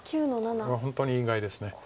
これは本当に意外です。